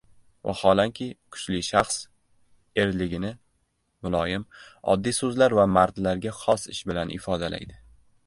Vaholanki, kuchli shaxs erligini muloyim, oddiy so‘zlar va mardlarga xos ish bilan ifodalaydi.